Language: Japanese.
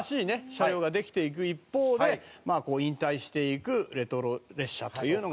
車両ができていく一方で引退していくレトロ列車というのがあるわけなんですね。